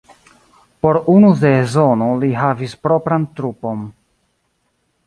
Por unu sezono li havis propran trupon.